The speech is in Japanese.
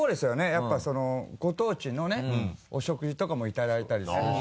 やっぱりご当地のねお食事とかもいただいたりするし。